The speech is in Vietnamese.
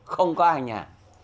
không có ai ở nhà